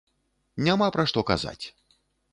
Няма пра што казаць.